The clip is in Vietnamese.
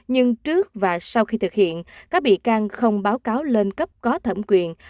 nhưng trước và sau khi thực hiện các bị can không báo cáo lên cấp có thẩm quyền